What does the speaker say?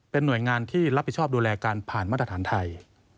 เป็นหน่วยงานที่รับผิดชอบดูแลการผ่านมาตรฐานไทย